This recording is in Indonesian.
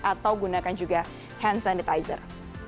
atau gunakan juga hand sanitizer